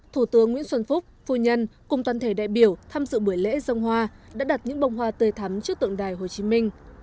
thủ tướng nguyễn xuân phúc phu nhân cùng toàn thể đại biểu tham dự buổi lễ dông hoa đã đặt những bông hoa tươi thắm trước tượng đài hồ chí minh